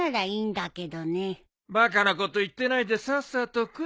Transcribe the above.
バカなこと言ってないでさっさと食え。